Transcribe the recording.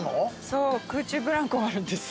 そう空中ブランコもあるんです。